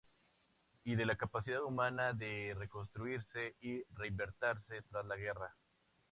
Y de la capacidad humana de reconstruirse y reinventarse tras la guerra.